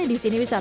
di sini wisatawan